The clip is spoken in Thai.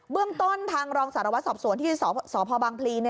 เรื่องต้นทางรองสารวัตรสอบสวนที่สพบางพลี